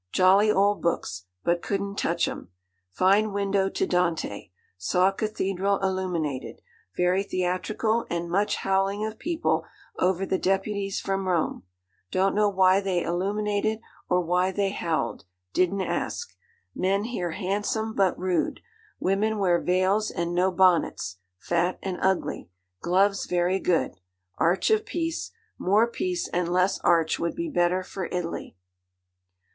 Jolly old books, but couldn't touch 'em. Fine window to Dante. Saw cathedral illuminated; very theatrical, and much howling of people over the deputies from Rome. Don't know why they illuminated or why they howled; didn't ask. Men here handsome, but rude. Women wear veils and no bonnets, fat and ugly. Gloves very good. Arch of Peace. More peace and less arch would be better for Italy.